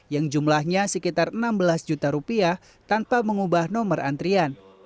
yang jumlahnya sekitar enam belas juta rupiah tanpa mengubah nomor antrian